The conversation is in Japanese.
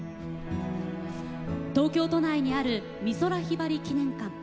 東京都内にある美空ひばり記念館。